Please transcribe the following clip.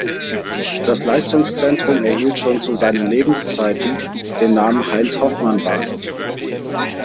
Das Leistungszentrum erhielt schon zu seinen Lebzeiten den Namen "Heinz-Hoffmann-Bad".